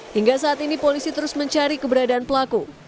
hingga saat ini polisi terus mencari keberadaan pelaku